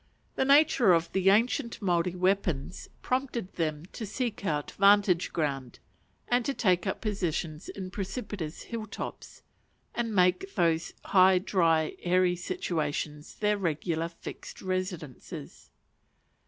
The nature of the ancient Maori weapons prompted them to seek out vantage ground, and to take up positions on precipitous hill tops, and make those high, dry, airy situations their regular fixed residences.